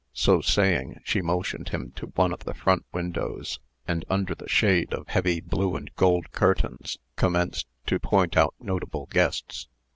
So saying, she motioned him to one of the front windows, and, under the shade of heavy blue and gold curtains, commenced to point out notable guests.